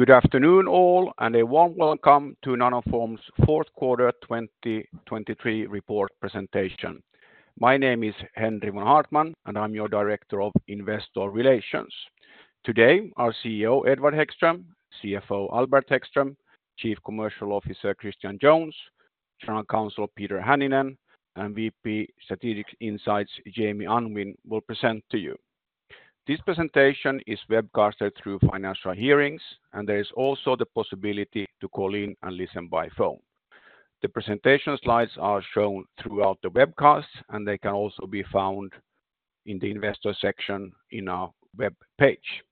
Good afternoon, all, and a warm welcome to Nanoform's Fourth Quarter 2023 Report Presentation. My name is Henri von Haartman, and I'm your Director of Investor Relations. Today, our CEO, Edward Häggström, CFO, Albert Häggström, Chief Commercial Officer, Christian Jones, General Counsel, Peter Hänninen, and VP Strategic Insights, Jamie Unwin, will present to you. This presentation is webcasted through Financial Hearings, and there is also the possibility to call in and listen by phone. The presentation slides are shown throughout the webcast, and they can also be found in the investor section in our web page.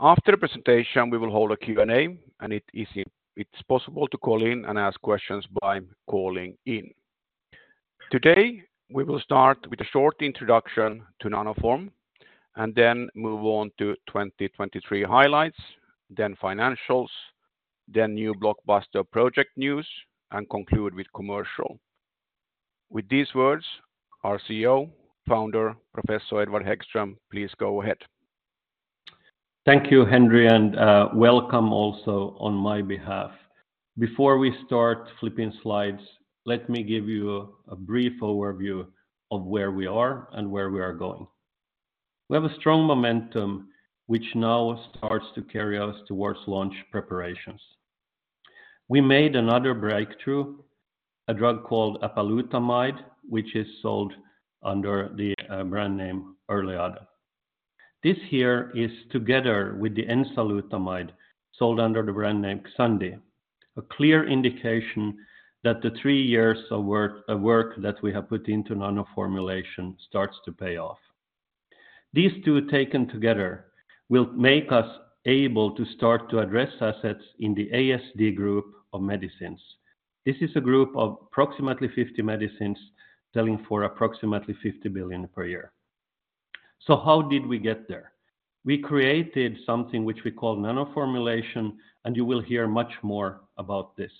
After the presentation, we will hold a Q&A, and it's possible to call in and ask questions by calling in. Today, we will start with a short introduction to Nanoform, and then move on to 2023 highlights, then financials, then new blockbuster project news, and conclude with commercial. With these words, our CEO, founder, Professor Edward Häggström, please go ahead. Thank you, Henri, and welcome also on my behalf. Before we start flipping slides, let me give you a brief overview of where we are and where we are going. We have a strong momentum, which now starts to carry us towards launch preparations. We made another breakthrough, a drug called apalutamide, which is sold under the brand name ERLEADA. This here is together with the enzalutamide, sold under the brand name XTANDI, a clear indication that the three years of work, of work that we have put into nanoformulation starts to pay off. These two taken together, will make us able to start to address assets in the ASD group of medicines. This is a group of approximately 50 medicines, selling for approximately $50 billion per year. So how did we get there? We created something which we call nanoformulation, and you will hear much more about this.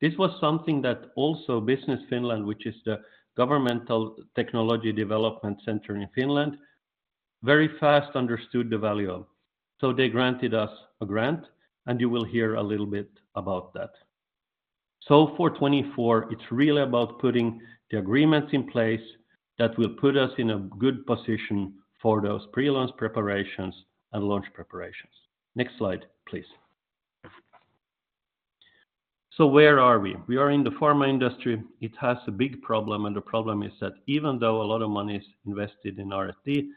This was something that also Business Finland, which is the governmental technology development center in Finland, very fast understood the value of. So they granted us a grant, and you will hear a little bit about that. So for 2024, it's really about putting the agreements in place that will put us in a good position for those pre-launch preparations and launch preparations. Next slide, please. So where are we? We are in the pharma industry. It has a big problem, and the problem is that even though a lot of money is invested in R&D,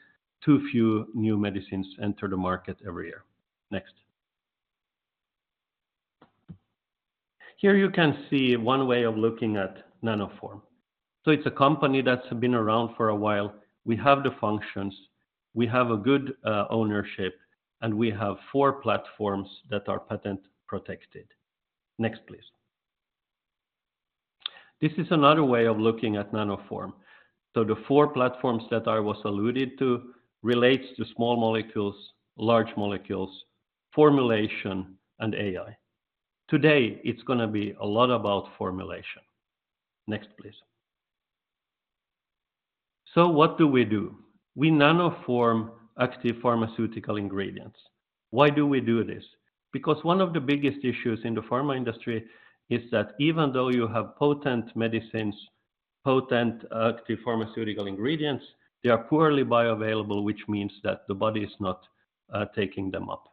too few new medicines enter the market every year. Next. Here you can see one way of looking at Nanoform. So it's a company that's been around for a while. We have the functions, we have a good ownership, and we have four platforms that are patent-protected. Next, please. This is another way of looking at Nanoform. So the four platforms that I was alluded to relates to small molecules, large molecules, formulation, and AI. Today, it's gonna be a lot about formulation. Next, please. So what do we do? We nanoform active pharmaceutical ingredients. Why do we do this? Because one of the biggest issues in the pharma industry is that even though you have potent medicines, potent active pharmaceutical ingredients, they are poorly bioavailable, which means that the body is not taking them up.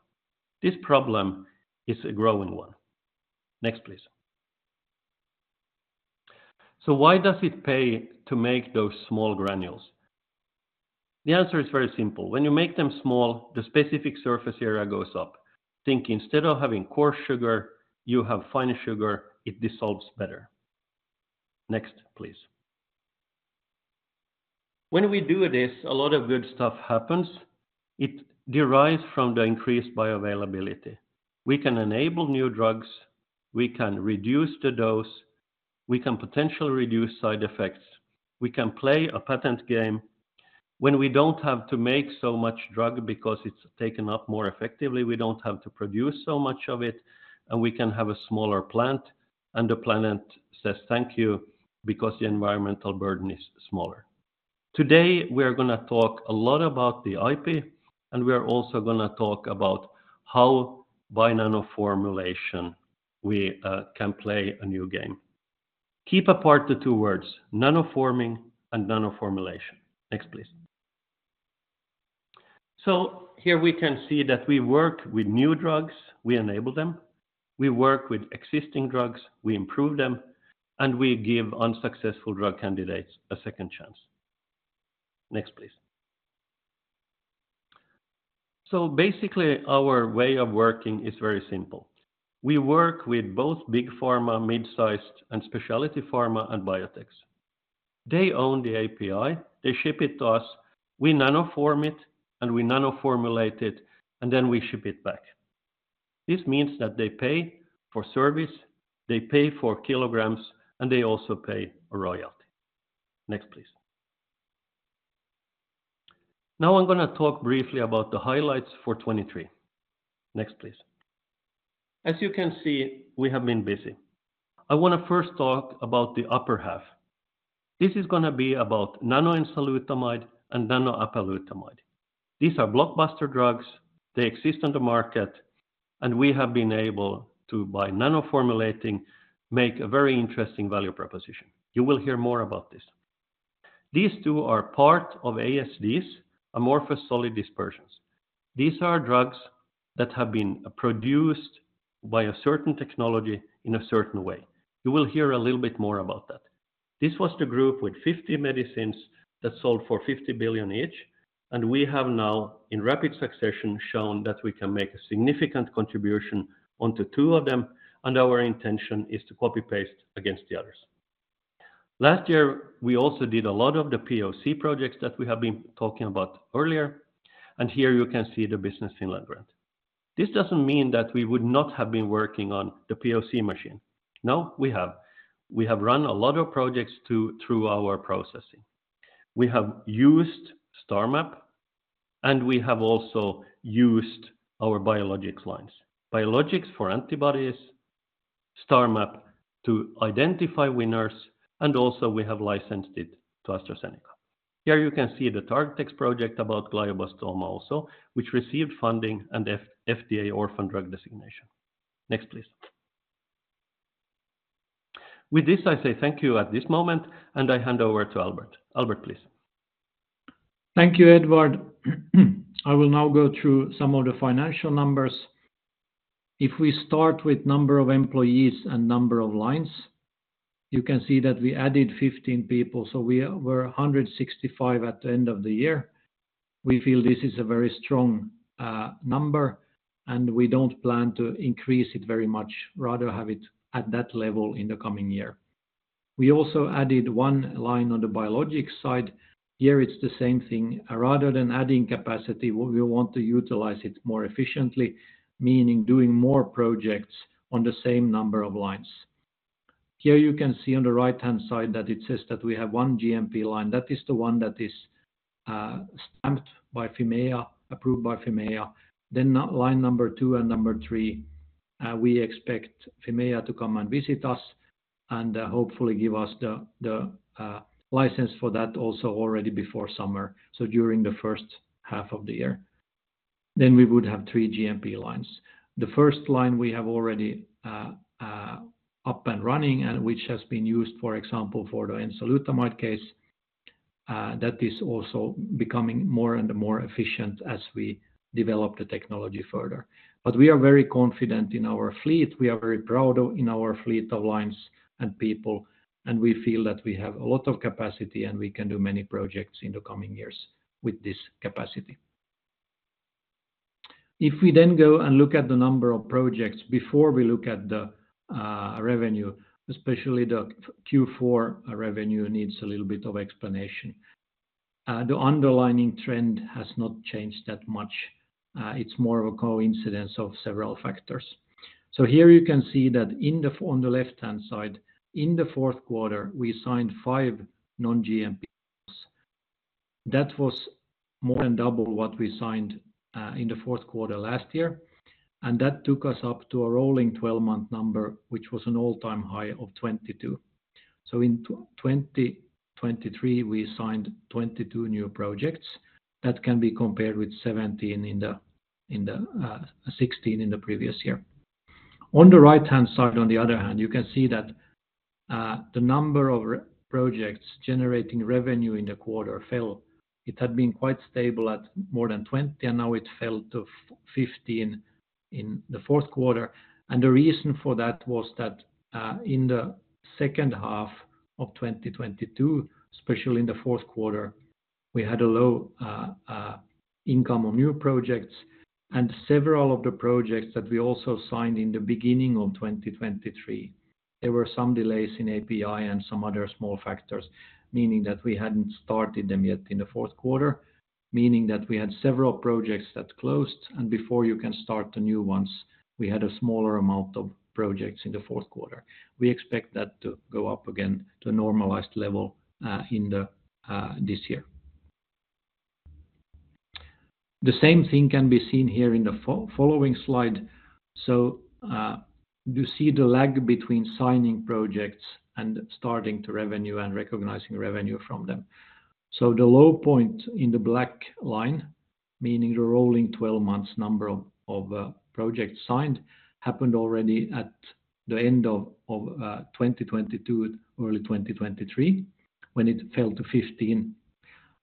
This problem is a growing one. Next, please. So why does it pay to make those small granules? The answer is very simple. When you make them small, the specific surface area goes up. Think instead of having coarse sugar, you have fine sugar, it dissolves better. Next, please. When we do this, a lot of good stuff happens. It derives from the increased bioavailability. We can enable new drugs, we can reduce the dose, we can potentially reduce side effects, we can play a patent game. When we don't have to make so much drug because it's taken up more effectively, we don't have to produce so much of it, and we can have a smaller plant, and the planet says thank you, because the environmental burden is smaller. Today, we are gonna talk a lot about the IP, and we are also gonna talk about how by nanoformulation we can play a new game. Keep apart the two words, nanoforming and nanoformulation. Next, please. So here we can see that we work with new drugs, we enable them, we work with existing drugs, we improve them, and we give unsuccessful drug candidates a second chance. Next, please. So basically, our way of working is very simple. We work with both big pharma, mid-sized, and specialty pharma and biotechs. They own the API, they ship it to us, we nanoform it, and we nanoformulate it, and then we ship it back. This means that they pay for service, they pay for kilograms, and they also pay a royalty. Next, please. Now, I'm gonna talk briefly about the highlights for 2023. Next, please. As you can see, we have been busy. I wanna first talk about the upper half. This is gonna be about nano-enzalutamide and nano-apalutamide. These are blockbuster drugs, they exist on the market, and we have been able to, by nano-formulating, make a very interesting value proposition. You will hear more about this. These two are part of ASDs, amorphous solid dispersions. These are drugs that have been produced by a certain technology in a certain way. You will hear a little bit more about that. This was the group with 50 medicines that sold for $50 billion each, and we have now, in rapid succession, shown that we can make a significant contribution onto two of them, and our intention is to copy-paste against the others. Last year, we also did a lot of the POC projects that we have been talking about earlier, and here you can see the Business Finland grant. This doesn't mean that we would not have been working on the POC machine. No, we have. We have run a lot of projects through our processing. We have used STARMAP, and we have also used our biologics lines. Biologics for antibodies, STARMAP to identify winners, and also we have licensed it to AstraZeneca. Here you can see the TargeTex project about glioblastoma also, which received funding and FDA Orphan Drug Designation. Next, please. With this, I say thank you at this moment, and I hand over to Albert. Albert, please. Thank you, Edward. I will now go through some of the financial numbers. If we start with number of employees and number of lines, you can see that we added 15 people, so we're 165 at the end of the year. We feel this is a very strong number, and we don't plan to increase it very much, rather have it at that level in the coming year. We also added one line on the biologics side. Here, it's the same thing. Rather than adding capacity, we want to utilize it more efficiently, meaning doing more projects on the same number of lines. Here you can see on the right-hand side that it says that we have one GMP line. That is the one that is stamped by Fimea, approved by Fimea. Then line number 2 and number 3, we expect Fimea to come and visit us, and hopefully give us the license for that also already before summer, so during the first half of the year. Then we would have 3 GMP lines. The first line we have already up and running, and which has been used, for example, for the enzalutamide case, that is also becoming more and more efficient as we develop the technology further. But we are very confident in our fleet. We are very proud of in our fleet of lines and people, and we feel that we have a lot of capacity, and we can do many projects in the coming years with this capacity. If we then go and look at the number of projects before we look at the revenue, especially the Q4 revenue needs a little bit of explanation. The underlying trend has not changed that much. It's more of a coincidence of several factors. So here you can see that, on the left-hand side, in the fourth quarter, we signed 5 non-GMP. That was more than double what we signed in the fourth quarter last year, and that took us up to a rolling 12-month number, which was an all-time high of 22. So in 2023, we signed 22 new projects. That can be compared with 16 in the previous year. On the right-hand side, on the other hand, you can see that the number of projects generating revenue in the quarter fell. It had been quite stable at more than 20, and now it fell to 15 in the fourth quarter. The reason for that was that in the second half of 2022, especially in the fourth quarter, we had a low income on new projects, and several of the projects that we also signed in the beginning of 2023, there were some delays in API and some other small factors, meaning that we hadn't started them yet in the fourth quarter, meaning that we had several projects that closed, and before you can start the new ones, we had a smaller amount of projects in the fourth quarter. We expect that to go up again to a normalized level in this year. The same thing can be seen here in the following slide. So, you see the lag between signing projects and starting to revenue and recognizing revenue from them. So the low point in the black line, meaning the rolling 12 months number of projects signed, happened already at the end of 2022, early 2023, when it fell to 15.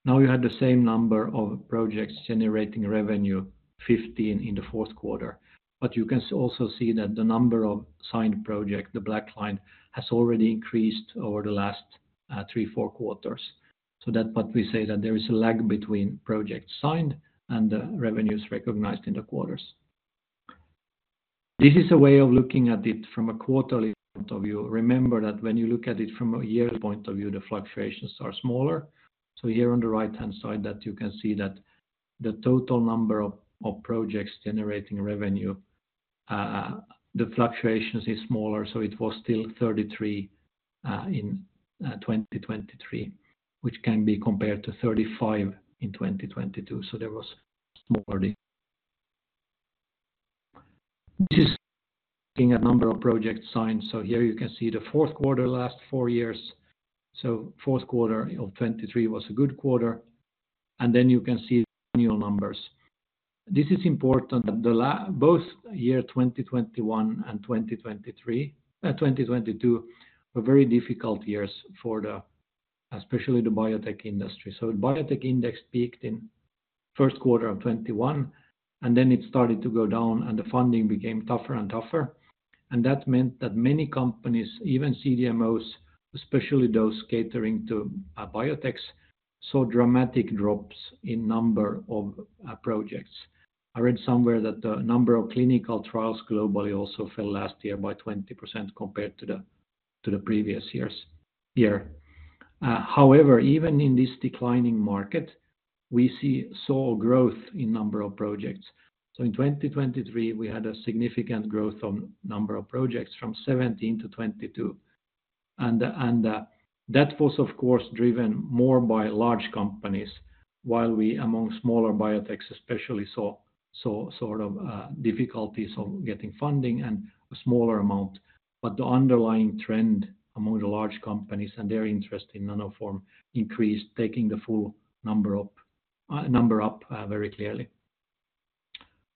Now, you had the same number of projects generating revenue, 15 in the fourth quarter. But you can also see that the number of signed project, the black line, has already increased over the last 3, 4 quarters. So that what we say, that there is a lag between projects signed and the revenues recognized in the quarters. This is a way of looking at it from a quarterly point of view. Remember that when you look at it from a yearly point of view, the fluctuations are smaller. So here on the right-hand side, that you can see that the total number of projects generating revenue, the fluctuations is smaller, so it was still 33 in 2023, which can be compared to 35 in 2022, so there was small parity. This is seeing a number of projects signed, so here you can see the fourth quarter, last four years. So fourth quarter of 2023 was a good quarter, and then you can see annual numbers. This is important that both year 2021 and 2023, 2022, were very difficult years for the, especially the biotech industry. So the biotech index peaked in first quarter of 2021, and then it started to go down, and the funding became tougher and tougher. That meant that many companies, even CDMOs, especially those catering to biotechs, saw dramatic drops in number of projects. I read somewhere that the number of clinical trials globally also fell last year by 20% compared to the previous year. However, even in this declining market, we saw growth in number of projects. So in 2023, we had a significant growth on number of projects from 17 to 22, and that was, of course, driven more by large companies, while we, among smaller biotechs especially, saw sort of difficulties of getting funding and a smaller amount. But the underlying trend among the large companies and their interest in Nanoform increased, taking the full number up very clearly.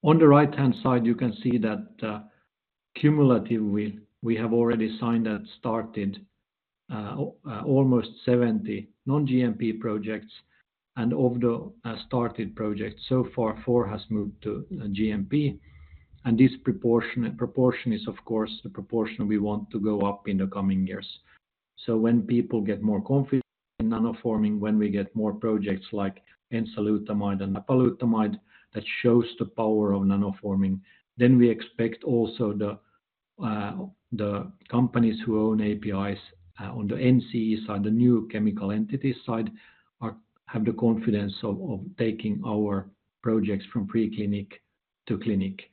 On the right-hand side, you can see that, cumulative we, we have already signed and started, almost 70 non-GMP projects, and of the, started projects, so far, 4 has moved to GMP. This proportion- proportion is, of course, the proportion we want to go up in the coming years. So when people get more confident in nanoforming, when we get more projects like enzalutamide and apalutamide, that shows the power of nanoforming, then we expect also the, the companies who own APIs, on the NCE side, the new chemical entity side, are- have the confidence of, of taking our projects from pre-clinic to clinic.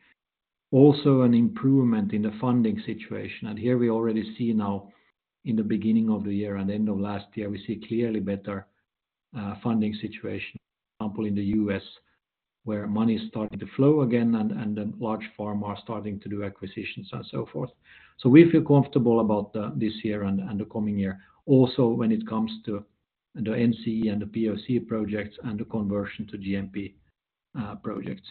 Also, an improvement in the funding situation, and here we already see now, in the beginning of the year and end of last year, we see clearly better funding situation, for example, in the U.S., where money is starting to flow again and, and then large pharma are starting to do acquisitions and so forth. So we feel comfortable about this year and, and the coming year. Also, when it comes to the NCE and the POC projects and the conversion to GMP projects.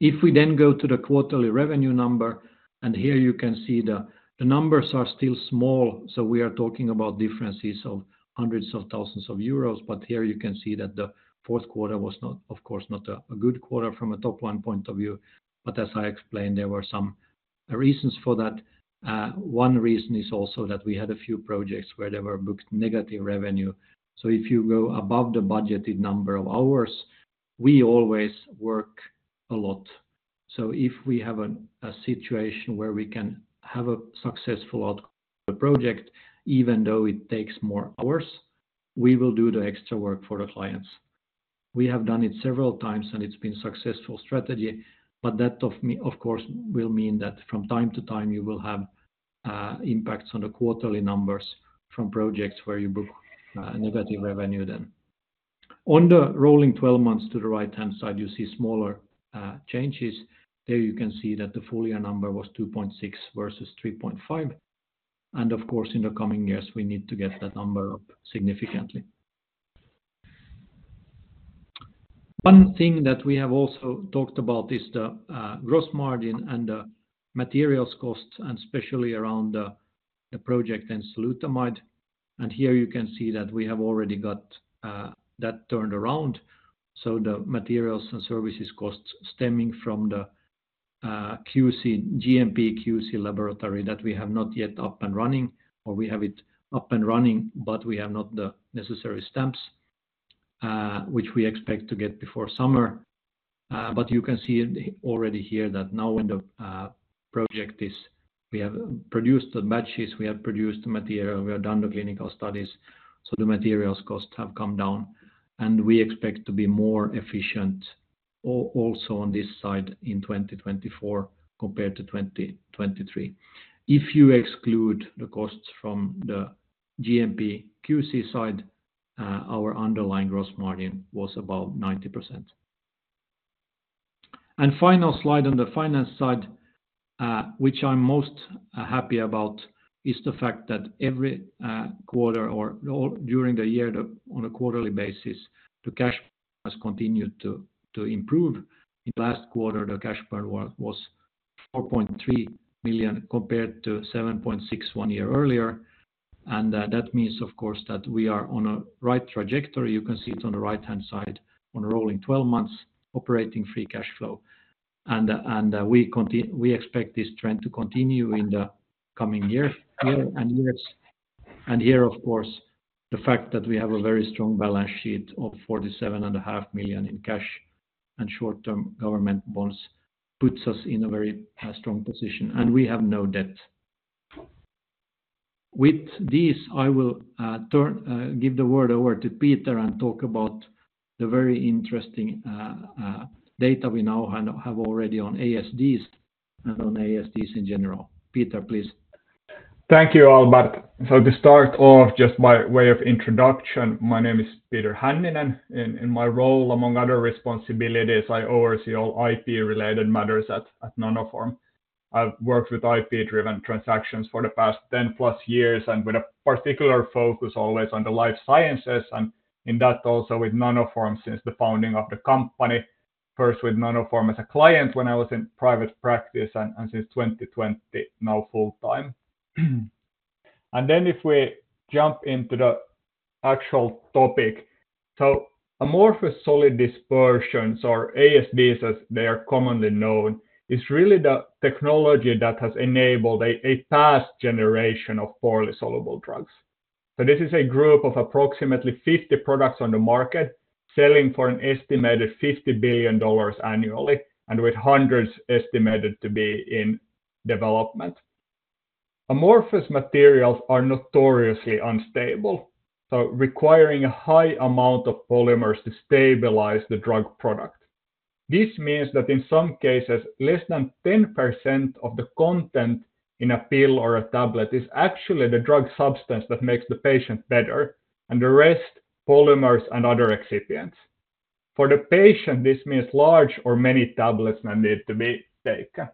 If we then go to the quarterly revenue number, and here you can see the, the numbers are still small, so we are talking about differences of hundreds of thousands of EUR. But here you can see that the fourth quarter was not, of course, a good quarter from a top-line point of view, but as I explained, there were some reasons for that. One reason is also that we had a few projects where they were booked negative revenue. So if you go above the budgeted number of hours, we always work a lot. So if we have a situation where we can have a successful outcome of the project, even though it takes more hours, we will do the extra work for the clients. We have done it several times, and it's been successful strategy, but that of course, will mean that from time to time, you will have impacts on the quarterly numbers from projects where you book negative revenue then. On the rolling twelve months to the right-hand side, you see smaller, changes. There you can see that the full year number was 2.6 versus 3.5, and of course, in the coming years, we need to get that number up significantly. One thing that we have also talked about is the, gross margin and the materials costs, and especially around the, the project enzalutamide. And here you can see that we have already got, that turned around, so the materials and services costs stemming from the, QC, GMP QC laboratory, that we have not yet up and running, or we have it up and running, but we have not the necessary stamps, which we expect to get before summer. But you can see it already here that now in the project is we have produced the batches, we have produced the material, we have done the clinical studies, so the materials costs have come down, and we expect to be more efficient also on this side in 2024 compared to 2023. If you exclude the costs from the GMP QC side, our underlying gross margin was about 90%. And final slide on the finance side, which I'm most happy about, is the fact that every quarter or during the year, on a quarterly basis, the cash has continued to improve. In last quarter, the cash burn was 4.3 million, compared to 7.6 million one year earlier. And that means, of course, that we are on a right trajectory. You can see it on the right-hand side, on rolling twelve months, operating free cash flow. We expect this trend to continue in the coming year and years. And here, of course, the fact that we have a very strong balance sheet of 47.5 million in cash and short-term government bonds puts us in a very strong position, and we have no debt. With this, I will turn give the word over to Peter and talk about the very interesting data we now have already on ASDs and on ASDs in general. Peter, please. Thank you, Albert. So to start off, just by way of introduction, my name is Peter Hänninen, and in my role, among other responsibilities, I oversee all IP-related matters at Nanoform. I've worked with IP-driven transactions for the past 10+ years and with a particular focus always on the life sciences, and in that, also with Nanoform since the founding of the company. First with Nanoform as a client when I was in private practice, and since 2020, now full time. Then if we jump into the actual topic. So amorphous solid dispersions, or ASDs, as they are commonly known, is really the technology that has enabled a past generation of poorly soluble drugs. So this is a group of approximately 50 products on the market, selling for an estimated $50 billion annually, and with hundreds estimated to be in development. Amorphous materials are notoriously unstable, so requiring a high amount of polymers to stabilize the drug product. This means that in some cases, less than 10% of the content in a pill or a tablet is actually the drug substance that makes the patient better, and the rest, polymers and other excipients. For the patient, this means large or many tablets may need to be taken.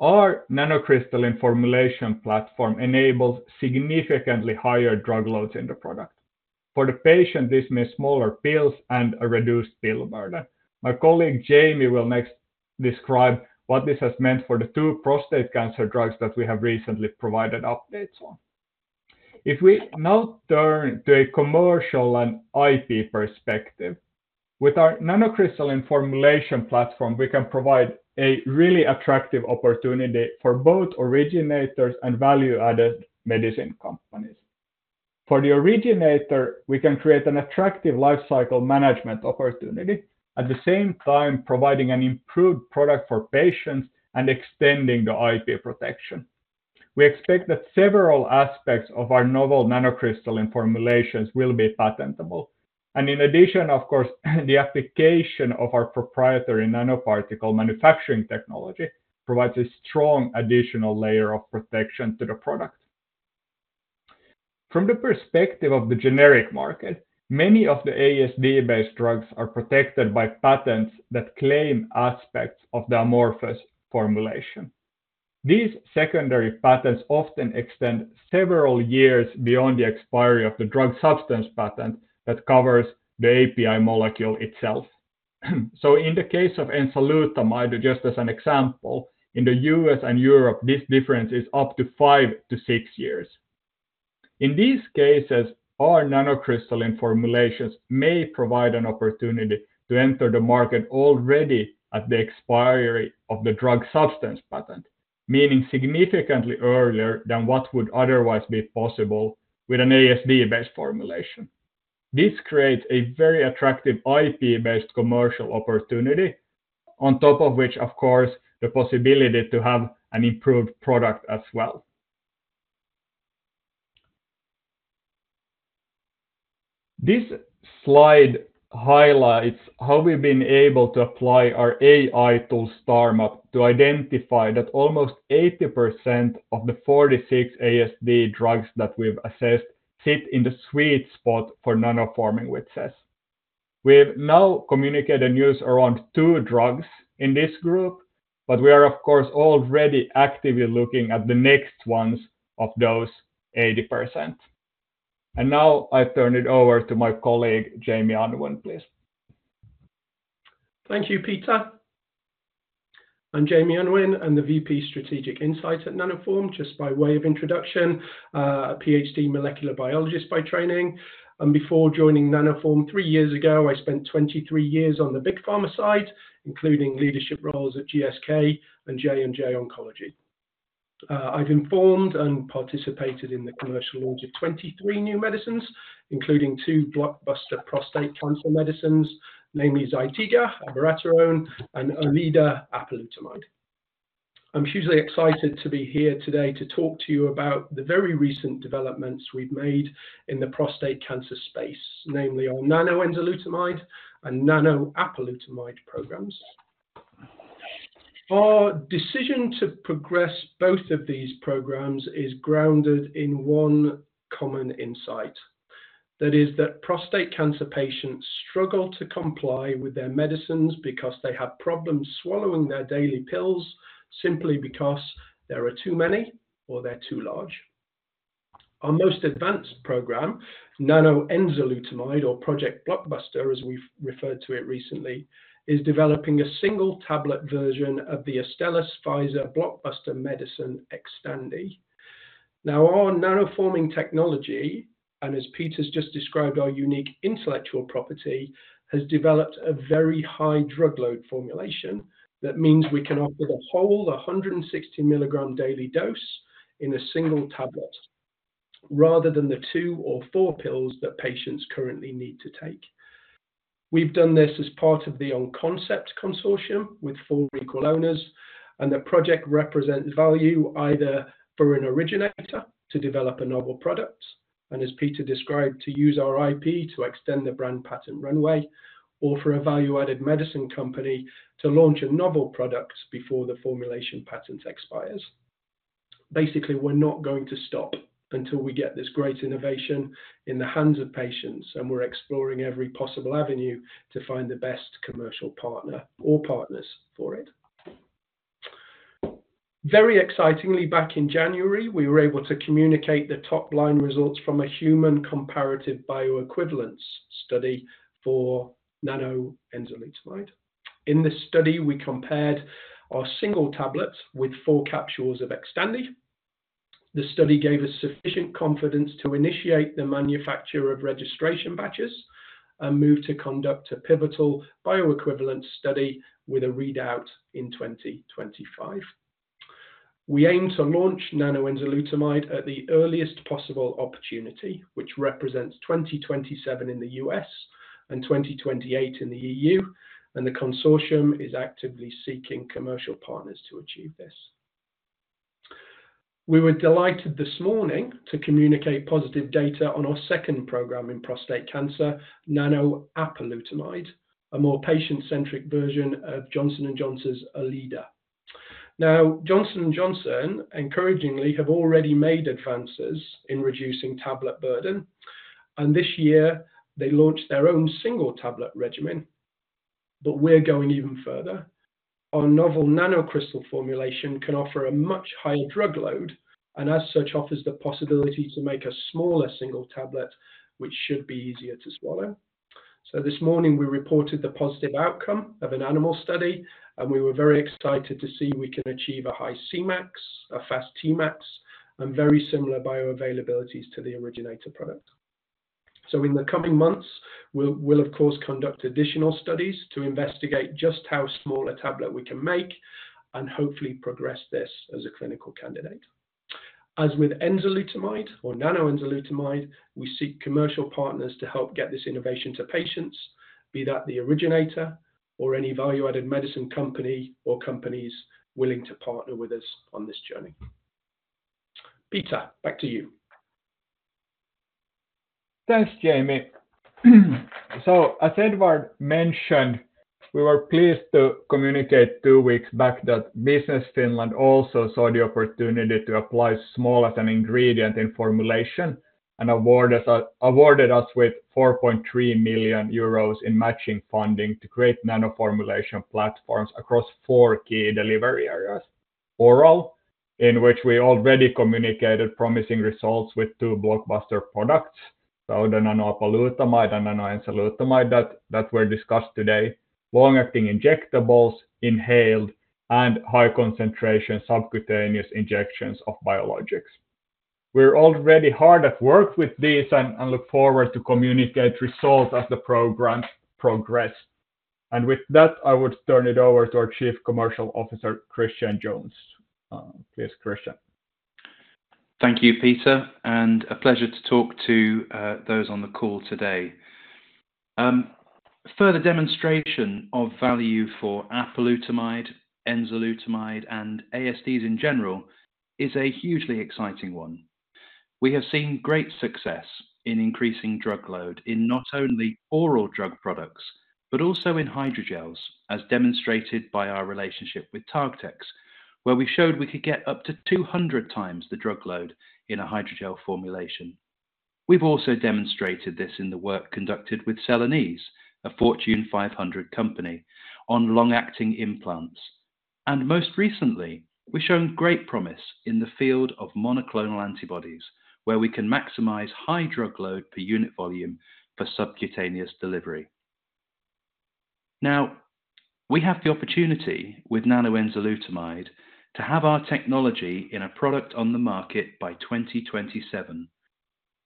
Our nanocrystalline formulation platform enables significantly higher drug loads in the product. For the patient, this means smaller pills and a reduced pill burden. My colleague Jamie will next describe what this has meant for the two prostate cancer drugs that we have recently provided updates on. If we now turn to a commercial and IP perspective, with our nanocrystalline formulation platform, we can provide a really attractive opportunity for both originators and value-added medicine companies. For the originator, we can create an attractive lifecycle management opportunity, at the same time providing an improved product for patients and extending the IP protection. We expect that several aspects of our novel nanocrystalline formulations will be patentable. In addition, of course, the application of our proprietary nanoparticle manufacturing technology provides a strong additional layer of protection to the product. From the perspective of the generic market, many of the ASD-based drugs are protected by patents that claim aspects of the amorphous formulation. These secondary patents often extend several years beyond the expiry of the drug substance patent that covers the API molecule itself. In the case of enzalutamide, just as an example, in the U.S. and Europe, this difference is up to 5-6 years. In these cases, our nanocrystalline formulations may provide an opportunity to enter the market already at the expiry of the drug substance patent, meaning significantly earlier than what would otherwise be possible with an ASD-based formulation. This creates a very attractive IP-based commercial opportunity, on top of which, of course, the possibility to have an improved product as well. This slide highlights how we've been able to apply our AI tool, STARMAP®, to identify that almost 80% of the 46 ASD drugs that we've assessed sit in the sweet spot for nanoforming, which is. We've now communicated news around two drugs in this group, but we are, of course, already actively looking at the next ones of those 80%. And now I turn it over to my colleague, Jamie Unwin, please. Thank you, Peter. I'm Jamie Unwin. I'm the VP Strategic Insights at Nanoform, just by way of introduction, a PhD molecular biologist by training, and before joining Nanoform 3 years ago, I spent 23 years on the big pharma side, including leadership roles at GSK and J&J Oncology. I've informed and participated in the commercial launch of 23 new medicines, including 2 blockbuster prostate cancer medicines, namely Zytiga, abiraterone, and ERLEADA, apalutamide. I'm hugely excited to be here today to talk to you about the very recent developments we've made in the prostate cancer space, namely our nano-enzalutamide and nano-apalutamide programs. Our decision to progress both of these programs is grounded in 1 common insight. That is, that prostate cancer patients struggle to comply with their medicines because they have problems swallowing their daily pills, simply because there are too many or they're too large. Our most advanced program, nano-enzalutamide, or Project Blockbuster, as we've referred to it recently, is developing a single tablet version of the Astellas Pfizer blockbuster medicine, Xtandi. Now, our Nanoforming technology, and as Peter's just described, our unique intellectual property, has developed a very high drug load formulation that means we can offer the whole 160 milligram daily dose in a single tablet, rather than the two or four pills that patients currently need to take. We've done this as part of the On Concept consortium, with four equal owners, and the project represents value either for an originator to develop a novel product, and as Peter described, to use our IP to extend the brand patent runway, or for a value-added medicine company to launch a novel product before the formulation patent expires. Basically, we're not going to stop until we get this great innovation in the hands of patients, and we're exploring every possible avenue to find the best commercial partner or partners for it. Very excitingly, back in January, we were able to communicate the top-line results from a human comparative bioequivalence study for Nano-enzalutamide. In this study, we compared our single tablet with four capsules of XTANDI. The study gave us sufficient confidence to initiate the manufacture of registration batches and move to conduct a pivotal bioequivalence study with a readout in 2025. We aim to launch Nano-enzalutamide at the earliest possible opportunity, which represents 2027 in the U.S. and 2028 in the E.U., and the consortium is actively seeking commercial partners to achieve this. We were delighted this morning to communicate positive data on our second program in prostate cancer, Nano-apalutamide, a more patient-centric version of Johnson & Johnson's ERLEADA. Now, Johnson & Johnson, encouragingly, have already made advances in reducing tablet burden, and this year they launched their own single tablet regimen. But we're going even further. Our novel nanocrystal formulation can offer a much higher drug load, and as such, offers the possibility to make a smaller single tablet, which should be easier to swallow. So this morning, we reported the positive outcome of an animal study, and we were very excited to see we can achieve a high Cmax, a fast Tmax, and very similar bioavailabilities to the originator product. So in the coming months, we'll, of course, conduct additional studies to investigate just how small a tablet we can make and hopefully progress this as a clinical candidate. As with enzalutamide or Nano-enzalutamide, we seek commercial partners to help get this innovation to patients, be that the originator or any value-added medicine company or companies willing to partner with us on this journey. Peter, back to you. Thanks, Jamie. So, as Edward mentioned, we were pleased to communicate two weeks back that Business Finland also saw the opportunity to apply CESS as an ingredient in formulation and award us, awarded us with 4.3 million euros in matching funding to create nanoformulation platforms across four key delivery areas: oral, in which we already communicated promising results with two blockbuster products, so the nano-apalutamide and nano-enzalutamide that were discussed today; long-acting injectables, inhaled, and high-concentration subcutaneous injections of biologics. We're already hard at work with this and look forward to communicate results as the programs progress. With that, I would turn it over to our Chief Commercial Officer, Christian Jones. Please, Christian. Thank you, Peter, and a pleasure to talk to those on the call today. Further demonstration of value for apalutamide, enzalutamide, and ASDs in general is a hugely exciting one. We have seen great success in increasing drug load in not only oral drug products, but also in hydrogels, as demonstrated by our relationship with TargeTex, where we showed we could get up to 200x the drug load in a hydrogel formulation. We've also demonstrated this in the work conducted with Celanese, a Fortune 500 company, on long-acting implants. Most recently, we've shown great promise in the field of monoclonal antibodies, where we can maximize high drug load per unit volume for subcutaneous delivery. Now, we have the opportunity with nano-enzalutamide to have our technology in a product on the market by 2027.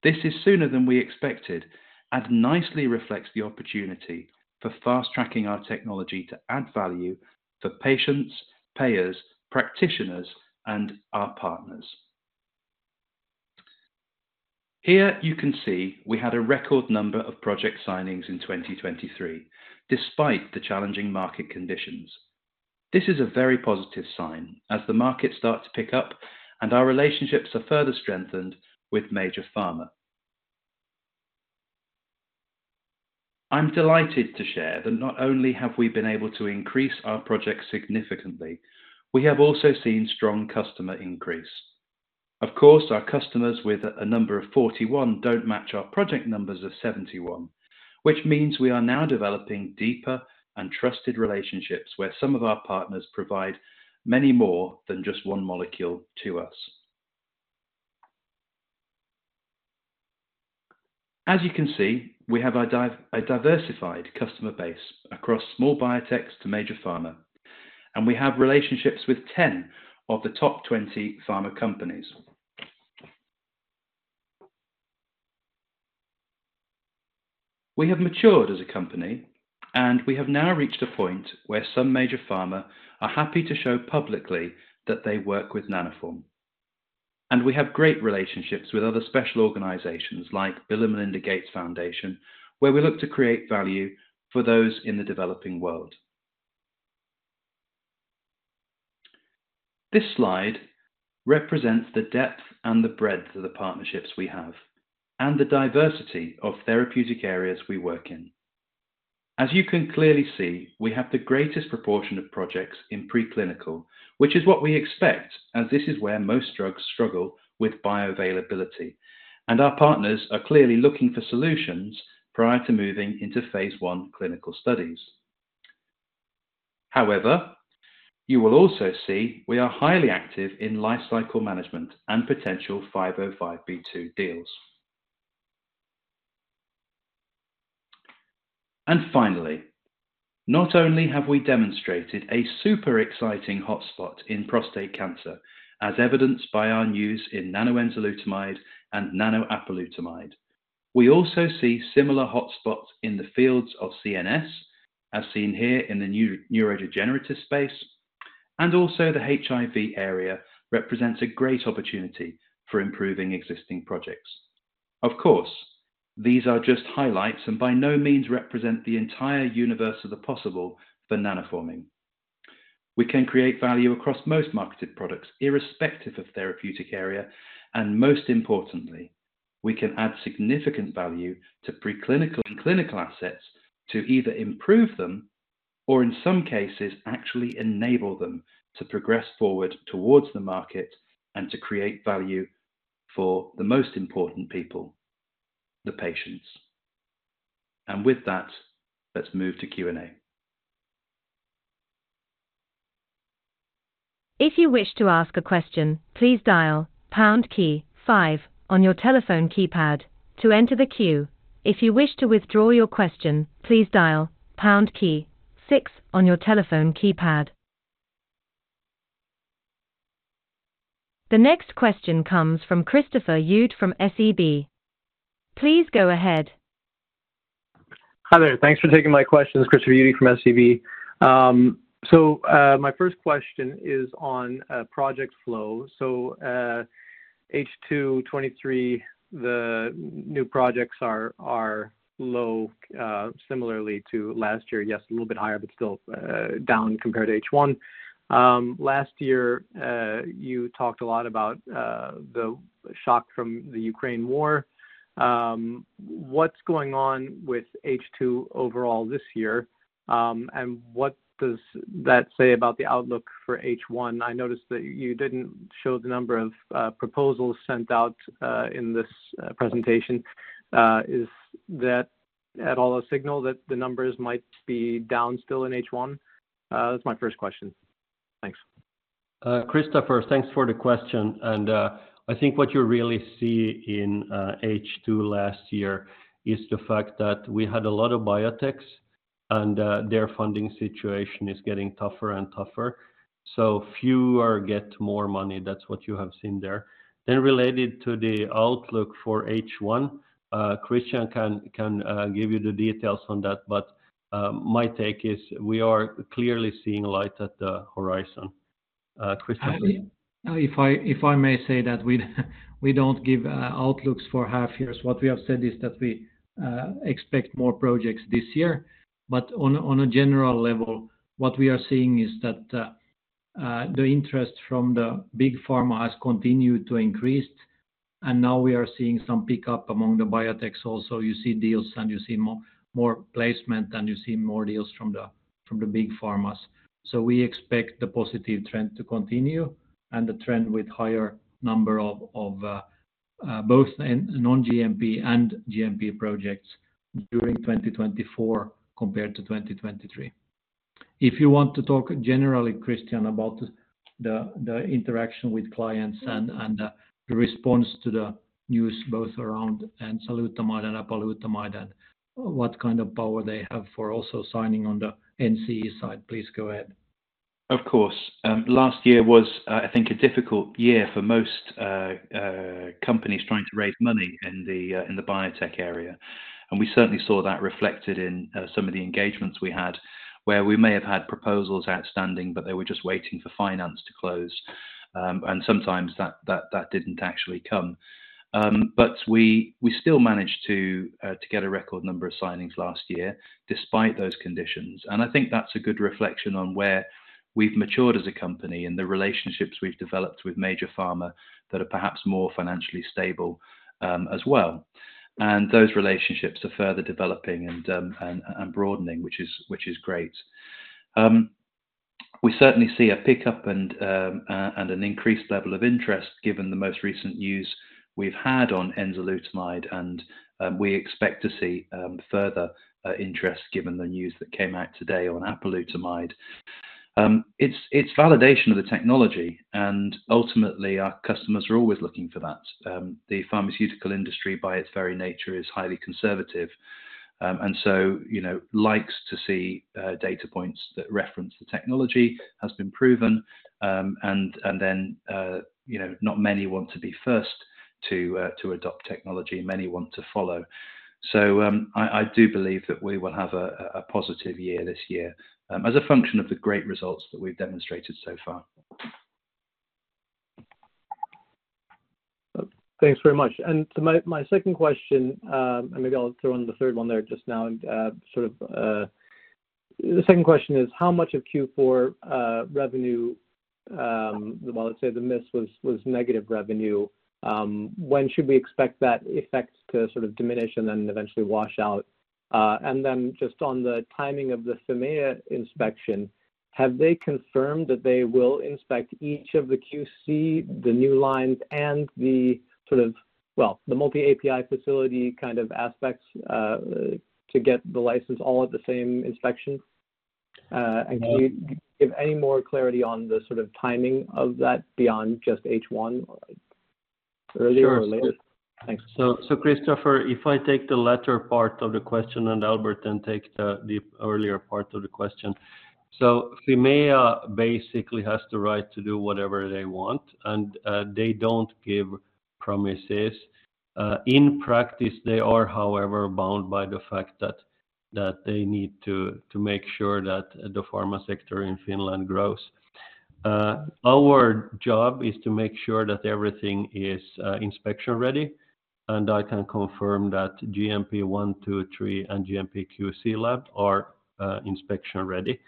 This is sooner than we expected and nicely reflects the opportunity for fast-tracking our technology to add value for patients, payers, practitioners, and our partners. Here you can see we had a record number of project signings in 2023, despite the challenging market conditions. This is a very positive sign as the market starts to pick up and our relationships are further strengthened with major pharma. I'm delighted to share that not only have we been able to increase our projects significantly, we have also seen strong customer increase. Of course, our customers with a number of 41 don't match our project numbers of 71, which means we are now developing deeper and trusted relationships, where some of our partners provide many more than just one molecule to us. As you can see, we have a diversified customer base across small biotechs to major pharma, and we have relationships with 10 of the top 20 pharma companies. We have matured as a company, and we have now reached a point where some major pharma are happy to show publicly that they work with Nanoform and we have great relationships with other special organizations like Bill and Melinda Gates Foundation, where we look to create value for those in the developing world. This slide represents the depth and the breadth of the partnerships we have and the diversity of therapeutic areas we work in. As you can clearly see, we have the greatest proportion of projects in preclinical, which is what we expect, as this is where most drugs struggle with bioavailability, and our partners are clearly looking for solutions prior to moving into phase I clinical studies. However, you will also see we are highly active in lifecycle management and potential 505(b)(2) deals. And finally, not only have we demonstrated a super exciting hotspot in prostate cancer, as evidenced by our news in Nano-enzalutamide and Nano-apalutamide, we also see similar hotspots in the fields of CNS, as seen here in the neurodegenerative space, and also the HIV area represents a great opportunity for improving existing projects. Of course, these are just highlights and by no means represent the entire universe of the possible for Nanoforming. We can create value across most marketed products, irrespective of therapeutic area, and most importantly, we can add significant value to preclinical and clinical assets to either improve them or, in some cases, actually enable them to progress forward towards the market and to create value for the most important people, the patients. With that, let's move to Q&A. If you wish to ask a question, please dial pound key five on your telephone keypad to enter the queue. If you wish to withdraw your question, please dial pound key six on your telephone keypad. The next question comes from Christopher Uhde from SEB. Please go ahead. Hi there. Thanks for taking my questions. Christopher Uhde from SEB. So, my first question is on project flow. So, H2 2023, the new projects are low, similarly to last year. Yes, a little bit higher, but still down compared to H1. Last year, you talked a lot about the shock from the Ukraine war. What's going on with H2 overall this year? And what does that say about the outlook for H1? I noticed that you didn't show the number of proposals sent out in this presentation. Is that at all a signal that the numbers might be down still in H1? That's my first question. Thanks. Christopher, thanks for the question, and I think what you really see in H2 last year is the fact that we had a lot of biotechs and their funding situation is getting tougher and tougher, so fewer get more money. That's what you have seen there. Then related to the outlook for H1, Christian can give you the details on that, but my take is we are clearly seeing light at the horizon. Christian, please. If I may say that we don't give outlooks for half years. What we have said is that we expect more projects this year, but on a general level, what we are seeing is that the interest from the big pharma has continued to increase, and now we are seeing some pickup among the biotechs also. You see deals and you see more, more placement, and you see more deals from the, from the big pharmas. So we expect the positive trend to continue and the trend with higher number of, of, both non-GMP and GMP projects during 2024 compared to 2023. If you want to talk generally, Christian, about the, the interaction with clients and, and, the response to the news both around enzalutamide and apalutamide, and what kind of power they have for also signing on the NCE side, please go ahead. Of course. Last year was, I think, a difficult year for most companies trying to raise money in the biotech area, and we certainly saw that reflected in some of the engagements we had, where we may have had proposals outstanding, but they were just waiting for finance to close. And sometimes that didn't actually come. But we still managed to get a record number of signings last year, despite those conditions. And I think that's a good reflection on where we've matured as a company and the relationships we've developed with major pharma that are perhaps more financially stable, as well. And those relationships are further developing and broadening, which is great. We certainly see a pickup and an increased level of interest given the most recent news we've had on enzalutamide, and we expect to see further interest given the news that came out today on apalutamide. It's validation of the technology, and ultimately, our customers are always looking for that. The pharmaceutical industry, by its very nature, is highly conservative, and so, you know, likes to see data points that reference the technology has been proven, and then, you know, not many want to be first to adopt technology, many want to follow. So, I do believe that we will have a positive year this year, as a function of the great results that we've demonstrated so far. Thanks very much. And so my second question, and maybe I'll throw in the third one there just now. The second question is, how much of Q4 revenue, well, let's say the miss was negative revenue, when should we expect that effect to sort of diminish and then eventually wash out? And then just on the timing of the Fimea inspection, have they confirmed that they will inspect each of the QC, the new lines, and the sort of, well, the multi-API facility kind of aspects, to get the license all at the same inspection? And can you give any more clarity on the sort of timing of that beyond just H1, earlier or later? Sure. Thanks. So, Christopher, if I take the latter part of the question, and Albert then take the earlier part of the question. So Fimea basically has the right to do whatever they want, and they don't give promises. In practice, they are, however, bound by the fact that they need to make sure that the pharma sector in Finland grows. Our job is to make sure that everything is inspection-ready, and I can confirm that GMP one, two, three, and GMP QC lab are inspection-ready.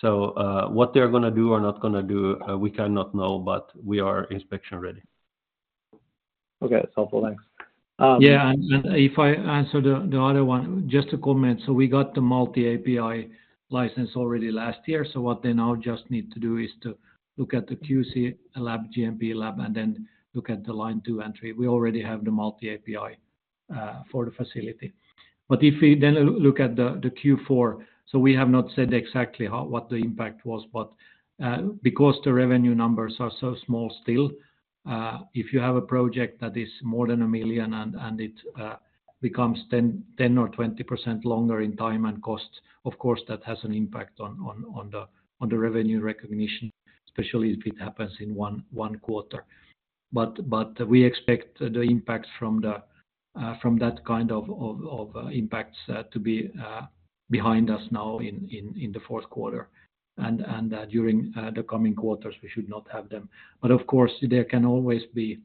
So, what they're gonna do or not gonna do, we cannot know, but we are inspection-ready. Okay, it's helpful. Thanks. Yeah, and if I answer the other one, just to comment, so we got the multi-API license already last year. So what they now just need to do is to look at the QC lab, GMP lab, and then look at the line two and three. We already have the multi-API for the facility. But if we then look at the Q4, so we have not said exactly how, what the impact was, but because the revenue numbers are so small still, if you have a project that is more than 1 million and it becomes 10% or 20% longer in time and cost, of course, that has an impact on the revenue recognition, especially if it happens in one quarter. But we expect the impact from that kind of impacts to be behind us now in the fourth quarter, and during the coming quarters, we should not have them. But of course, there can always be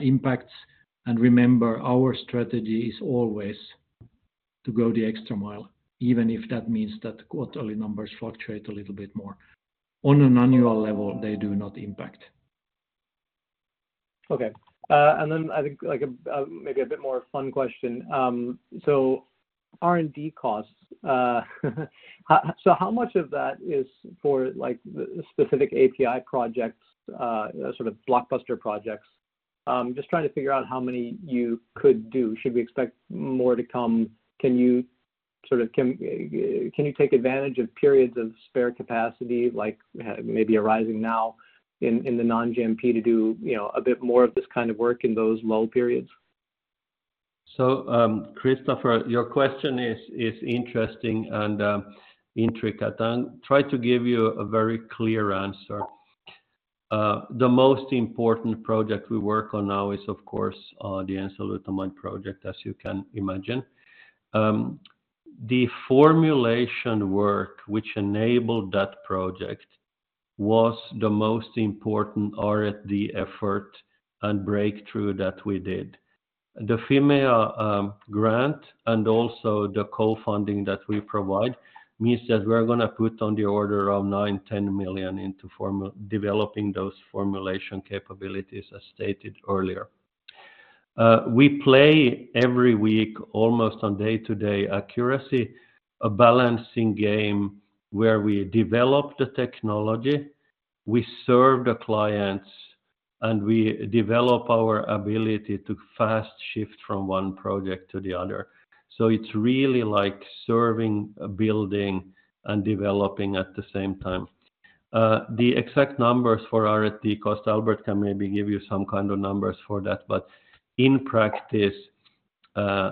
impacts. And remember, our strategy is always to go the extra mile, even if that means that quarterly numbers fluctuate a little bit more. On an annual level, they do not impact. Okay. And then I think, like, a maybe a bit more fun question. So R&D costs, so how much of that is for, like, the specific API projects, sort of blockbuster projects? Just trying to figure out how many you could do. Should we expect more to come? Can you, sort of, can, can you take advantage of periods of spare capacity, like, maybe arising now in, in the non-GMP to do, you know, a bit more of this kind of work in those lull periods? Christopher, your question is interesting and intricate. I'll try to give you a very clear answer. The most important project we work on now is, of course, the enzalutamide project, as you can imagine. The formulation work which enabled that project was the most important R&D effort and breakthrough that we did. The Fimea grant and also the co-funding that we provide means that we're gonna put on the order of 9-10 million into developing those formulation capabilities, as stated earlier. We play every week, almost on day-to-day accuracy, a balancing game, where we develop the technology, we serve the clients, and we develop our ability to fast shift from one project to the other. It's really like serving, building, and developing at the same time. The exact numbers for R&D cost, Albert can maybe give you some kind of numbers for that, but in practice,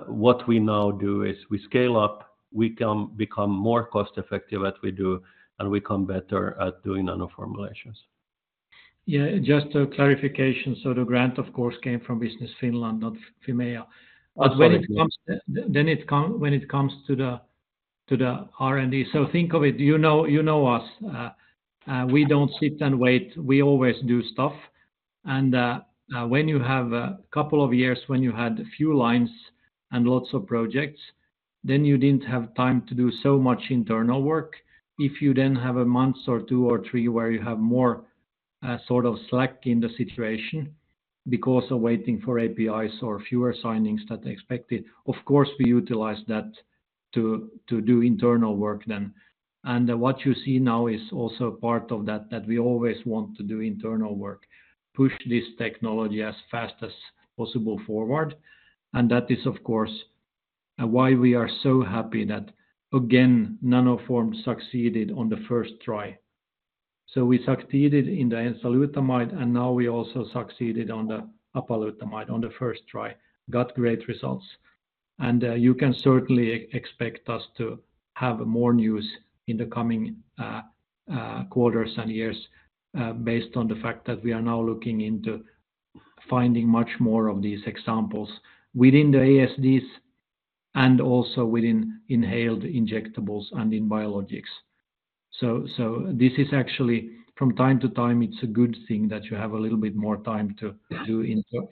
what we now do is we scale up, we become more cost effective as we do, and we become better at doing nano formulations. Yeah, just a clarification. So the grant, of course, came from Business Finland, not Fimea. Oh, sorry. But when it comes to the R&D, so think of it, you know, you know us, we don't sit and wait, we always do stuff. When you have a couple of years when you had a few lines and lots of projects, then you didn't have time to do so much internal work. If you then have a month or two or three, where you have more sort of slack in the situation because of waiting for APIs or fewer signings than expected, of course, we utilize that to do internal work then. What you see now is also part of that, that we always want to do internal work, push this technology as fast as possible forward, and that is, of course, why we are so happy that, again, Nanoform succeeded on the first try. So we succeeded in the enzalutamide, and now we also succeeded on the apalutamide on the first try. Got great results and, you can certainly expect us to have more news in the coming quarters and years, based on the fact that we are now looking into finding much more of these examples within the ASDs and also within inhaled injectables and in biologics. So, so this is actually, from time to time, it's a good thing that you have a little bit more time to do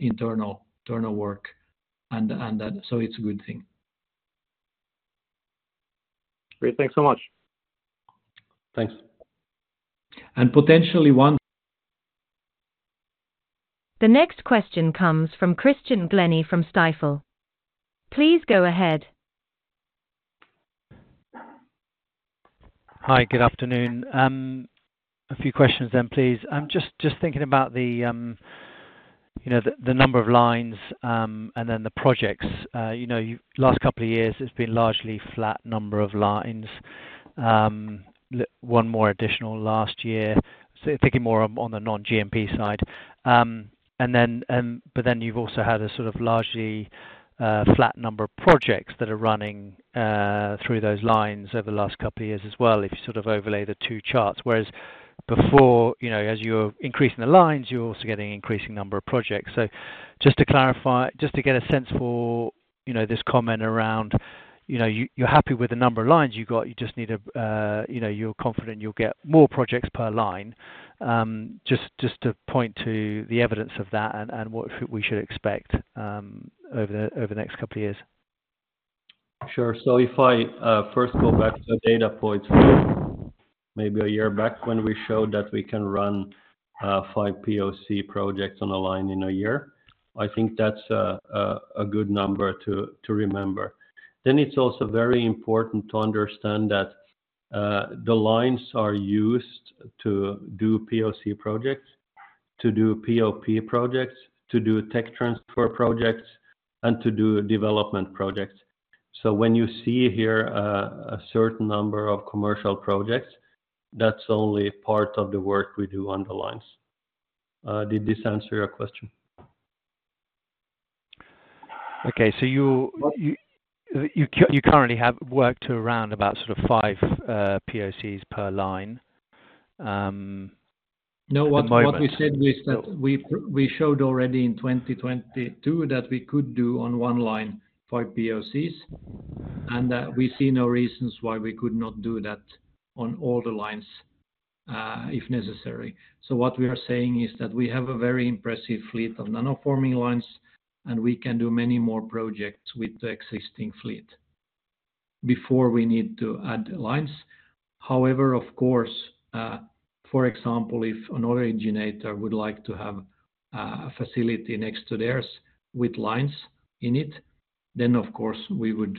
internal work and, and so it's a good thing. Great. Thanks so much. Thanks. The next question comes from Christian Glennie from Stifel. Please go ahead. Hi, good afternoon. A few questions then, please. I'm just thinking about the, you know, the number of lines, and then the projects. You know, last couple of years it's been largely flat number of lines. One more additional last year. So thinking more on the non-GMP side. And then, but then you've also had a sort of largely flat number of projects that are running through those lines over the last couple of years as well, if you sort of overlay the two charts. Whereas before, you know, as you were increasing the lines, you're also getting increasing number of projects. So just to clarify—just to get a sense for, you know, this comment around, you know, you're happy with the number of lines you got, you just need a, you know, you're confident you'll get more projects per line. Just to point to the evidence of that and what we should expect over the next couple of years. Sure. So if I first go back to the data points, maybe a year back when we showed that we can run five POC projects on a line in a year, I think that's a good number to remember. Then it's also very important to understand that the lines are used to do POC projects, to do POP projects, to do tech transfer projects, and to do development projects. So when you see here a certain number of commercial projects, that's only part of the work we do on the lines. Did this answer your question? Okay. So you currently have work to around about sort of five POCs per line at the moment- No, what we said is that we showed already in 2022 that we could do on one line, 5 POCs, and that we see no reasons why we could not do that on all the lines, if necessary. So what we are saying is that we have a very impressive fleet of nanoforming lines, and we can do many more projects with the existing fleet before we need to add lines. However, of course, for example, if another innovator would like to have a facility next to theirs with lines in it, then of course, we would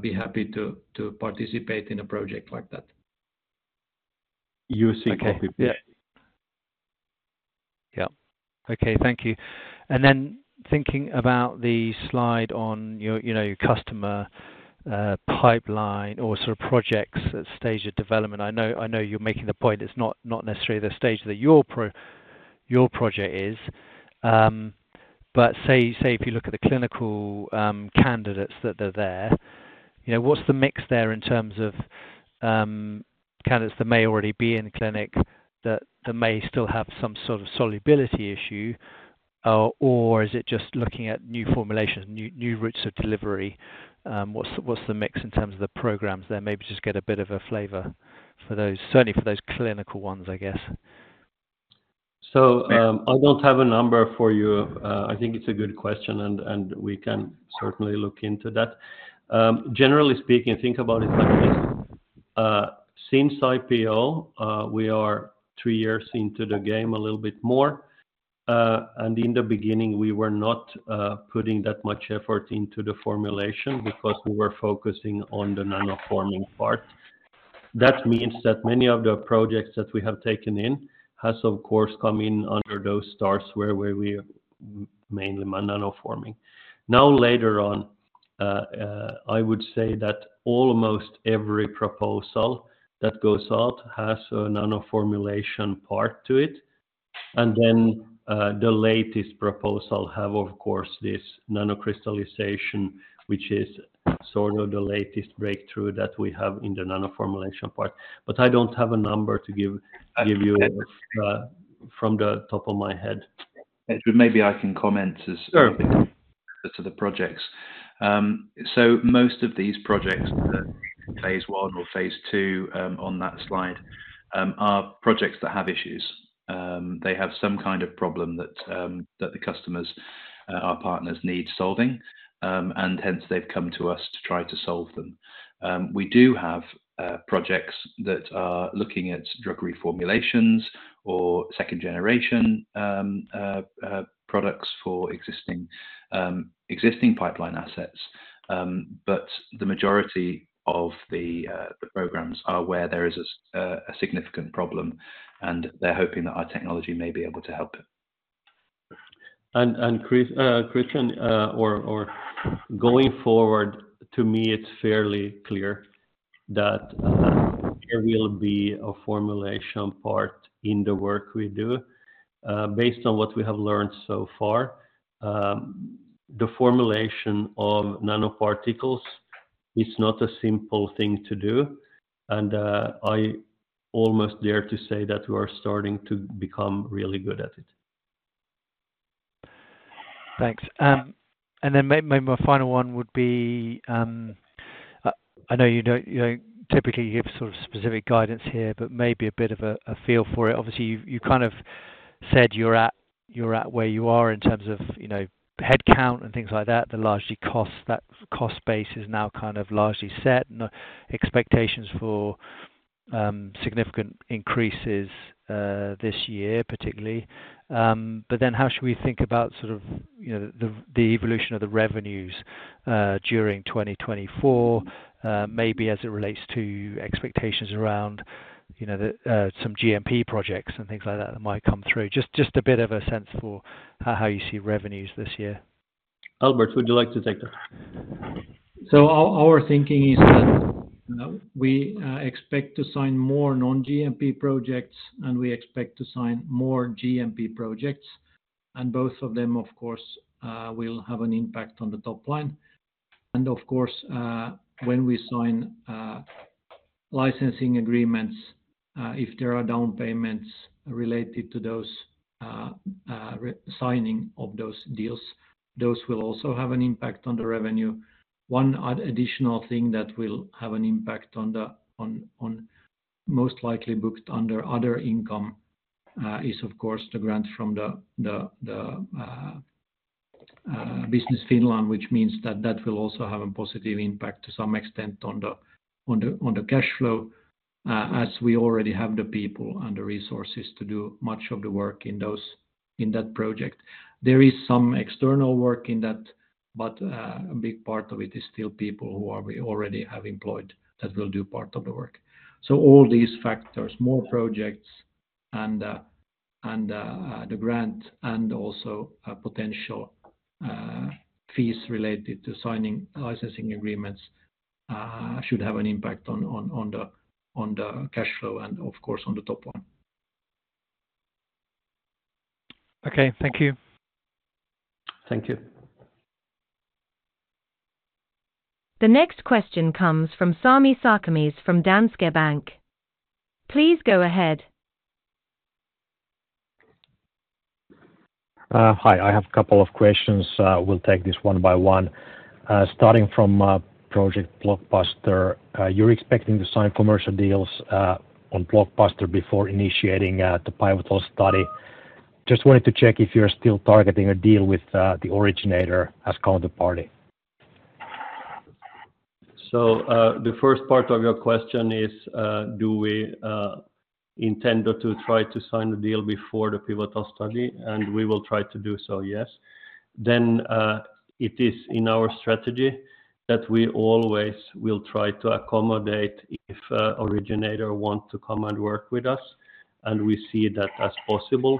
be happy to participate in a project like that. Using our POC. Yeah. Okay, thank you. And then thinking about the slide on your, you know, your customer pipeline or sort of projects at stage of development. I know, I know you're making the point it's not, not necessarily the stage that your project is. But say, say, if you look at the clinical candidates that are there, you know, what's the mix there in terms of candidates that may already be in the clinic, that, that may still have some sort of solubility issue, or, or is it just looking at new formulations, new, new routes of delivery? What's, what's the mix in terms of the programs there? Maybe just get a bit of a flavor for those, certainly for those clinical ones, I guess. So, I don't have a number for you. I think it's a good question, and we can certainly look into that. Generally speaking, think about it like this, since IPO, we are 3 years into the game a little bit more, and in the beginning, we were not putting that much effort into the formulation because we were focusing on the Nanoforming part. That means that many of the projects that we have taken in has, of course, come in under those stars, where we mainly by Nanoforming. Now, later on, I would say that almost every proposal that goes out has a Nanoformulation part to it, and then, the latest proposal have, of course, this nanocrystallization, which is sort of the latest breakthrough that we have in the Nanoformulation part. But I don't have a number to give you from the top of my head. Maybe I can comment as to the projects. So most of these projects, phase I or phase II, on that slide, are projects that have issues. They have some kind of problem that the customers, our partners need solving, and hence they've come to us to try to solve them. We do have projects that are looking at drug reformulations or second-generation products for existing pipeline assets. But the majority of the programs are where there is a significant problem, and they're hoping that our technology may be able to help it. And Chris, Christian, or going forward, to me, it's fairly clear that, there will be a formulation part in the work we do. Based on what we have learned so far, the formulation of nanoparticles is not a simple thing to do, and, I almost dare to say that we are starting to become really good at it. Thanks. And then my final one would be, I know you don't, you don't typically give sort of specific guidance here, but maybe a bit of a feel for it. Obviously, you kind of said you're at where you are in terms of, you know, headcount and things like that, the largely cost, that cost base is now kind of largely set, no expectations for significant increases this year particularly. But then how should we think about sort of, you know, the evolution of the revenues during 2024, maybe as it relates to expectations around, you know, some GMP projects and things like that, that might come through? Just a bit of a sense for how you see revenues this year. Albert, would you like to take that? So our thinking is that we expect to sign more non-GMP projects, and we expect to sign more GMP projects, and both of them, of course, will have an impact on the top line. And of course, when we sign licensing agreements, if there are down payments related to those, re-signing of those deals, those will also have an impact on the revenue. One additional thing that will have an impact on the, most likely booked under other income, is of course the grant from the Business Finland, which means that that will also have a positive impact to some extent on the cash flow, as we already have the people and the resources to do much of the work in that project. There is some external work in that, but a big part of it is still people who are we already have employed that will do part of the work. So all these factors, more projects and the grant and also potential fees related to signing licensing agreements should have an impact on the cash flow and of course on the top line. Okay, thank you. Thank you. The next question comes from Sami Sarkamies from Danske Bank. Please go ahead. Hi, I have a couple of questions. We'll take this one by one. Starting from Project Blockbuster. You're expecting to sign commercial deals on Blockbuster before initiating the pivotal study. Just wanted to check if you're still targeting a deal with the originator as counterparty. The first part of your question is, do we intend to try to sign the deal before the pivotal study? We will try to do so, yes. It is in our strategy that we always will try to accommodate if originator want to come and work with us, and we see that as possible.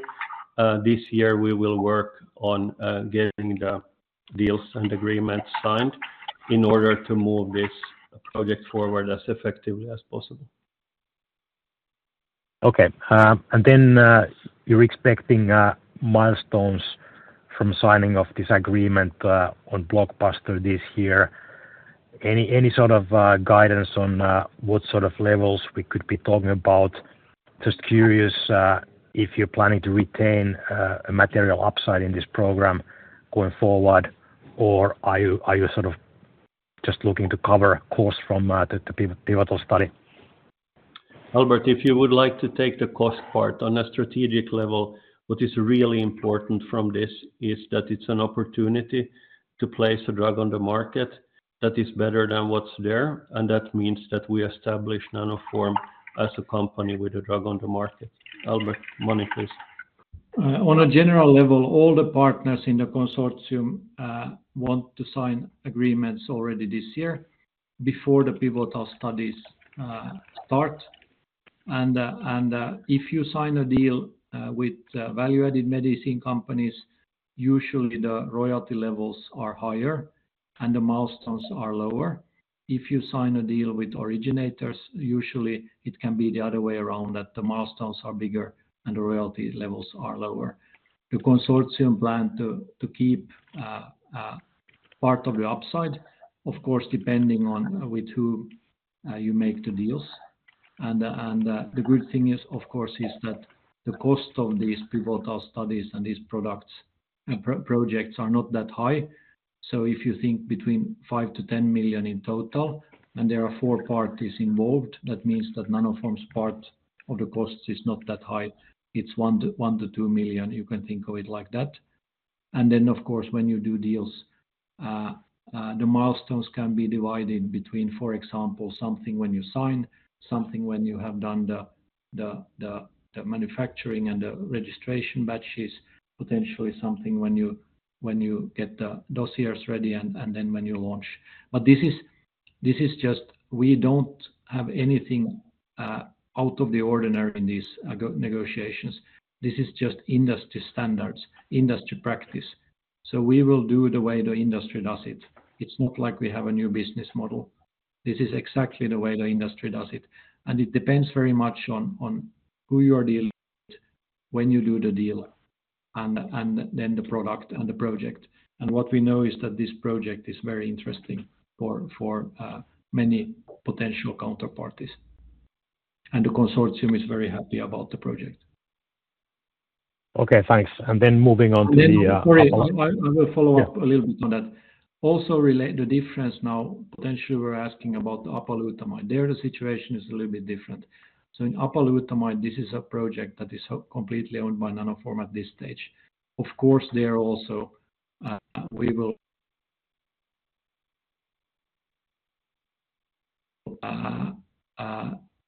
This year, we will work on getting the deals and agreements signed in order to move this project forward as effectively as possible. Okay, and then, you're expecting milestones from signing of this agreement on Blockbuster this year. Any, any sort of guidance on what sort of levels we could be talking about? Just curious if you're planning to retain a material upside in this program going forward, or are you, are you sort of just looking to cover costs from the pivotal study? Albert, if you would like to take the cost part. On a strategic level, what is really important from this is that it's an opportunity to place a drug on the market that is better than what's there, and that means that we establish Nanoform as a company with a drug on the market. Albert, monitor please. On a general level, all the partners in the consortium want to sign agreements already this year before the pivotal studies start. And if you sign a deal with value-added medicine companies, usually the royalty levels are higher and the milestones are lower. If you sign a deal with originators, usually it can be the other way around, that the milestones are bigger and the royalty levels are lower. The consortium plan to keep part of the upside, of course, depending on with who you make the deals. And the good thing is, of course, is that the cost of these pivotal studies and these products and projects are not that high. So if you think between 5 million-10 million in total, and there are four parties involved, that means that Nanoform's part of the costs is not that high. It's 1 million-2 million. You can think of it like that. And then, of course, when you do deals, the milestones can be divided between, for example, something when you sign, something when you have done the manufacturing and the registration batches, potentially something when you get the dossiers ready and then when you launch. We don't have anything out of the ordinary in these negotiations. This is just industry standards, industry practice so we will do the way the industry does it. It's not like we have a new business model. This is exactly the way the industry does it, and it depends very much on who you are dealing with, when you do the deal, and then the product and the project. And what we know is that this project is very interesting for many potential counterparties, and the consortium is very happy about the project. Okay, thanks. And then moving on. Then, sorry, I will follow up. A little bit on that. Also relate the difference now, potentially we're asking about the apalutamide. There, the situation is a little bit different. So in apalutamide, this is a project that is completely owned by Nanoform at this stage. Of course, there are also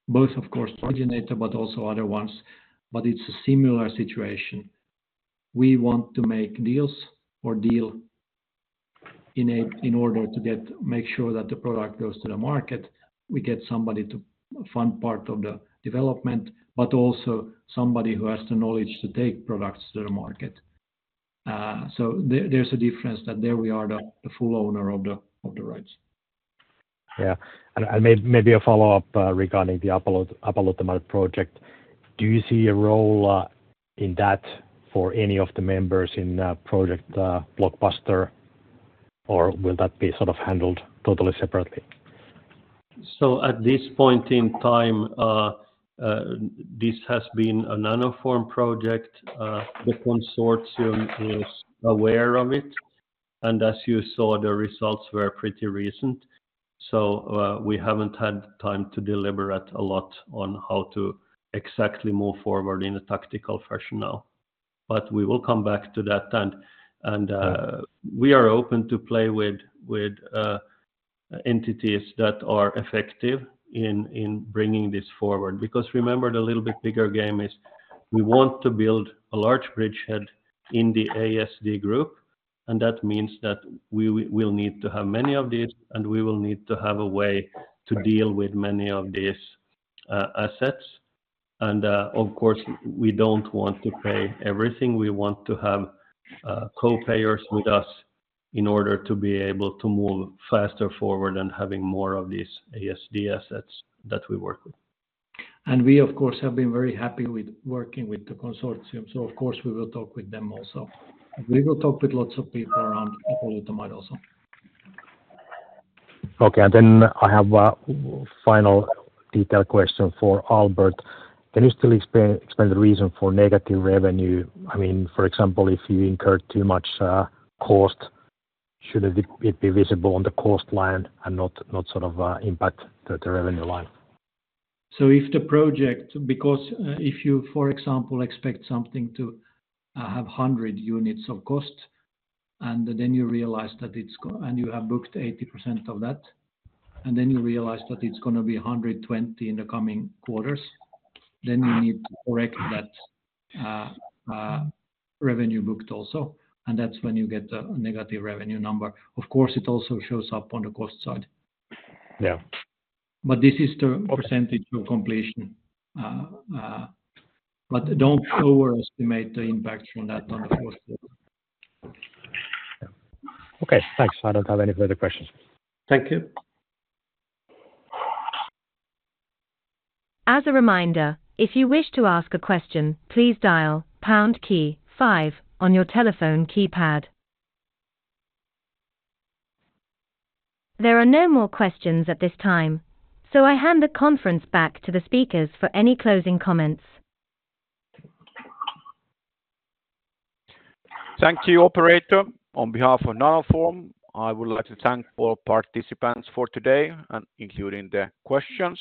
both, of course, originator, but also other ones, but it's a similar situation. We want to make deals or deal in order to make sure that the product goes to the market. We get somebody to fund part of the development, but also somebody who has the knowledge to take products to the market. So there, there's a difference that there we are the full owner of the rights. Yeah. And maybe a follow-up regarding the apalutamide project. Do you see a role in that for any of the members in Project Blockbuster, or will that be sort of handled totally separately? So at this point in time, this has been a Nanoform project. The consortium is aware of it, and as you saw, the results were pretty recent. So, we haven't had time to deliberate a lot on how to exactly move forward in a tactical fashion now. But we will come back to that, and, and we are open to play with entities that are effective in bringing this forward. Because remember, the little bit bigger game is we want to build a large bridgehead in the ASD group, and that means that we will need to have many of these, and we will need to have a way to deal with many of these assets. And, of course, we don't want to pay everything. We want to have co-payers with us in order to be able to move faster forward and having more of these ASD assets that we work with. And we, of course, have been very happy with working with the consortium, so of course, we will talk with them also. We will talk with lots of people around apalutamide also. Okay, and then I have a final detail question for Albert. Can you still explain, explain the reason for negative revenue? I mean, for example, if you incur too much cost, should it be visible on the cost line and not sort of impact the revenue line? Because, if you, for example, expect something to have 100 units of cost, and then you realize that it's cost and you have booked 80% of that, and then you realize that it's gonna be 120 in the coming quarters, then you need to correct that revenue booked also, and that's when you get the negative revenue number. Of course, it also shows up on the cost side. But this is the percentage of completion. But don't overestimate the impact from that on the cost side. Okay, thanks. I don't have any further questions. Thank you. As a reminder, if you wish to ask a question, please dial pound key five on your telephone keypad. There are no more questions at this time, so I hand the conference back to the speakers for any closing comments. Thank you, operator. On behalf of Nanoform, I would like to thank all participants for today, and including the questions.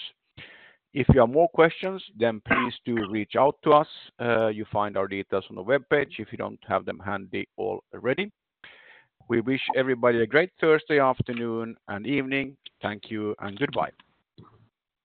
If you have more questions, then please do reach out to us. You'll find our details on the webpage if you don't have them handy already. We wish everybody a great Thursday afternoon and evening. Thank you, and goodbye.